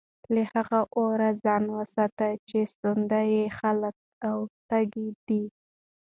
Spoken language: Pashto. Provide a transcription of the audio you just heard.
له هغه اور نه ځان وساتئ چي سوند ئې خلك او تيږي دي